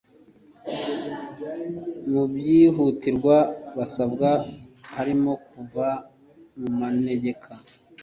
Mu byihutirwa basabwa harimo kuva mu manegeka